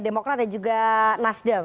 demokrat dan juga nasdem